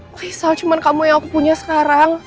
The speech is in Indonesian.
please sal cuma kamu yang aku punya sekarang